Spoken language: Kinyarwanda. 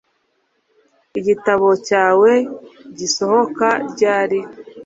Igitabo cyawe gisohoka ryari